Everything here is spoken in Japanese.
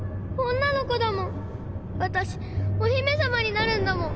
私お姫様になるんだもん。